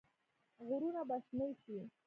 غرونه به شنه شي؟